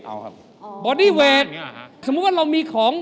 สมมติว่าเรามีของ